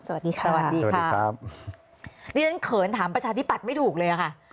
สวัสดีค่ะยังขนถามประชาธิปัตย์ไม่ถูกเลยค่ะ